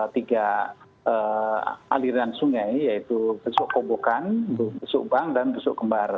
tiga aliran sungai yaitu besuk kobokan besuk bang dan besuk kembar